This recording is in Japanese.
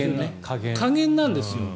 下限なんですよ。